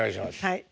はい。